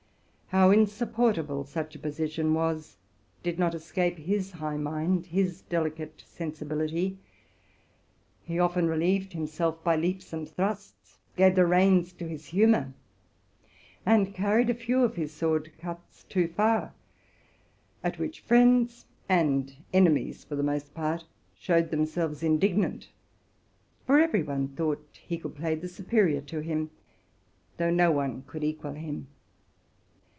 How insupportable such a position was, did not escape his high mind, his delicate sensibility. He often relieved himself by leaps and thrusts, gave the reins to his humor, and carried a few of his sword cuts too far, at which friends and enemies, for the most part, showed them selves indignant; for every one thought he could play the superior to. him, though no one could "equal him.